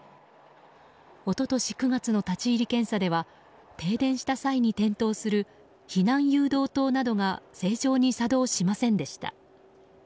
一昨年９月の立ち入り検査では停電した際に点灯する避難誘導灯などが正常に作動しませんでした。